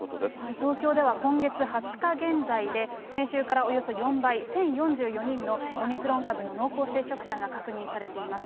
東京では今月２０日現在で、先週からおよそ４倍、１０４４人のオミクロン株の濃厚接触者が確認されています。